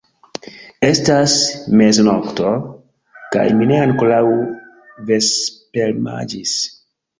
Estas meznokto, kaj mi ne ankoraŭ vespermanĝis.